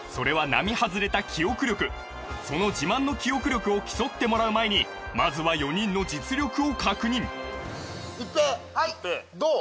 並外れた記憶力その自慢の記憶力を競ってもらう前にまずは４人の実力を確認一平どう？